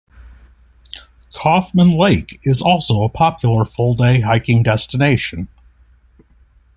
Kaufman Lake is also a popular full day hiking destination.